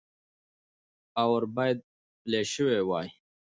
اور باید بل شوی وای.